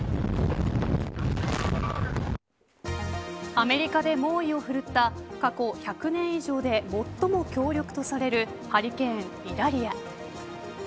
アメリカで猛威を振るった過去１００年以上で最も強力とされるハリケーン、イダリア。